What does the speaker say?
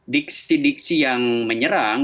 diksi diksi yang menyerang